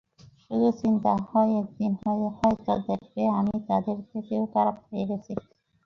শুধু চিন্তা হয় একদিন হয়ত দেখব আমি তাদের থেকেও খারাপ হয়ে গেছি।